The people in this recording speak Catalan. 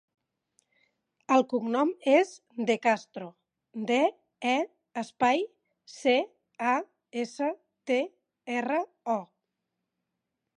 El cognom és De Castro: de, e, espai, ce, a, essa, te, erra, o.